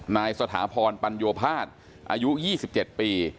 นายสถาพรปัญโยภาษอายุ๒๗ปี